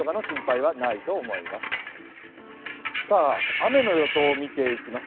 雨の予想を見ていきます。